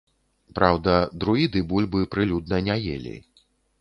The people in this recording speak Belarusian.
Праўда, друіды бульбы прылюдна не елі.